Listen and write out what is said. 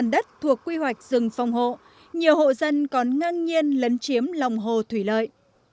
đất rừng phòng hộ nhiều hộ dân còn ngang nhiên lấn chiếm lòng hồ thủy lợi